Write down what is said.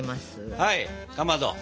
はいかまど！